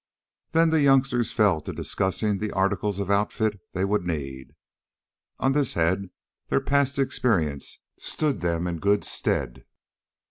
Then the youngsters fell to discussing the articles of outfit they would need. On this head their past experience stood them in good stead.